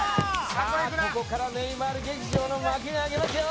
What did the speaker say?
さあここからネイマール劇場の幕が開きますよ